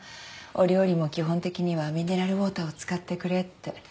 お料理も基本的にはミネラルウオーターを使ってくれって。